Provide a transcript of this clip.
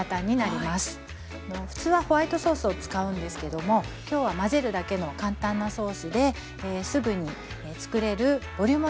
普通はホワイトソースを使うんですけども今日は混ぜるだけの簡単なソースですぐにつくれるボリュームのあるおかずをつくります。